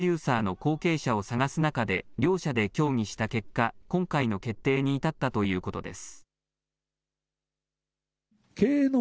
宮崎監督や、鈴木敏夫プロデューサーの後継者を探す中で、両社で協議した結果、今回の決定に至ったということです。